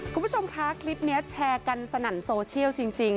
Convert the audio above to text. คุณผู้ชมคะคลิปนี้แชร์กันสนั่นโซเชียลจริง